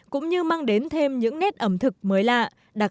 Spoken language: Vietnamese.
cũng như mang đến thêm những nét ẩm thực mới lạ